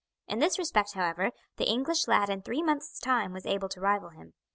In this respect, however, the English lad in three months' time was able to rival him.